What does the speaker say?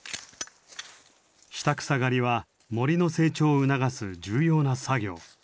下草刈りは森の成長を促す重要な作業。